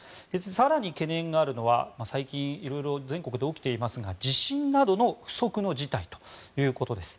更に懸念があるのは最近色々、全国で起きていますが地震などの不測の事態ということです。